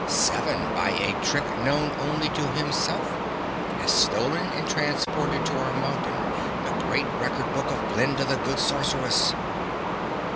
"Seven, by a trick known only to himself, has stolen and transported to our mountain the great record book of Glinda the Good Sorceress!"